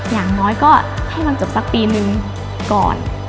อย่างน้อยก็ให้มันจบสักปีนึงก่อน